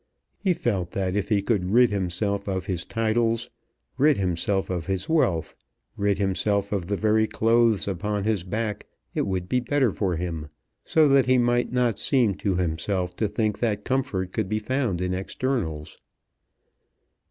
He felt that if he could rid himself of his titles, rid himself of his wealth, rid himself of the very clothes upon his back, it would be better for him, so that he might not seem to himself to think that comfort could be found in externals.